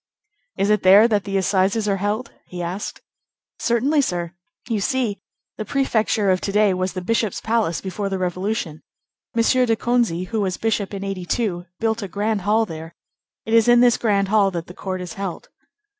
"Is it there that the Assizes are held?" he asked. "Certainly, sir; you see, the prefecture of to day was the bishop's palace before the Revolution. M. de Conzié, who was bishop in '82, built a grand hall there. It is in this grand hall that the court is held."